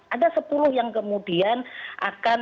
ada sepuluh yang kemudian akan